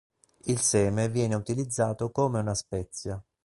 Il seme viene utilizzato come una spezia.